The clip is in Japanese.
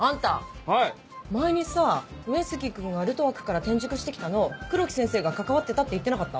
前にさ上杉君がルトワックから転塾して来たの黒木先生が関わってたって言ってなかった？